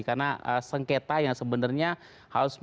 karena sengketa yang sebenarnya harus